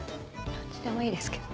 どっちでもいいですけど。